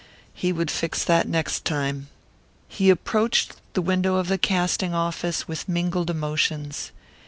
He would fix that next time. He approached the window of the casting office with mingled emotions.